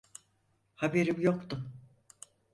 Haberim yoktu.